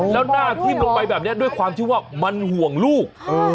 แล้วหน้าทิ้มลงไปแบบนี้ด้วยความที่ว่ามันห่วงลูก